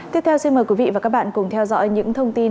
tiếp theo xin mời quý vị và các bạn cùng theo dõi những thông tin